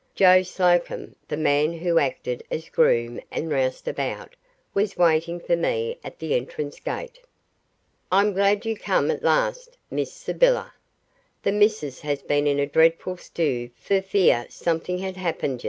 Joe Slocombe, the man who acted as groom and rouseabout, was waiting for me at the entrance gate. "I'm glad you come at last, Miss Sybyller. The missus has been in a dreadful stoo for fear something had happened yuz.